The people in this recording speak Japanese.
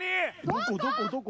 どこどこどこ？